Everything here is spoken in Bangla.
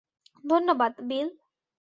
ধন্যবাদ, বিল।